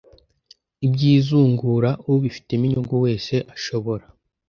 iby izungura ubifitemo inyungu wese ashobora